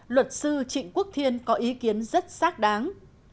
luật sư trịnh quốc thiên có ý kiến rất xác đáng